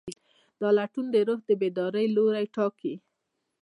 دا لټون د روح د بیدارۍ لوری ټاکي.